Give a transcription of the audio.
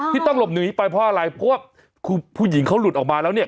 ที่ต้องหลบหนีไปเพราะอะไรเพราะว่าคือผู้หญิงเขาหลุดออกมาแล้วเนี่ย